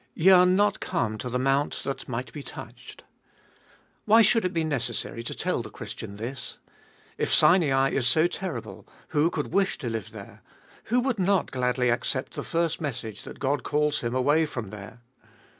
Ye are not come to the mount that might be touched. Why should it be necessary to tell the Christian this? If Sinai is so terrible, who could wish to live there? who would not gladly accept the first message that God calls him away from there